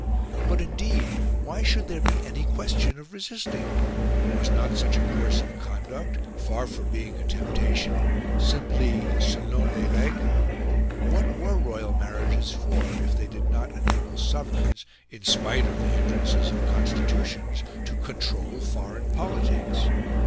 But, indeed, why should there be any question of resisting? Was not such a course of conduct, far from being a temptation, simply "selon les regles?" What were royal marriages for, if they did not enable sovereigns, in spite of the hindrances of constitutions, to control foreign politics?